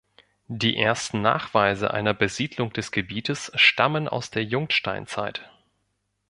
Die ersten Nachweise einer Besiedlung des Gebietes stammen aus der Jungsteinzeit.